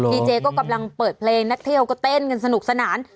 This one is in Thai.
ดีเจก็กำลังเปิดเพลงนักเที่ยวก็เต้นกันสนุกสนาน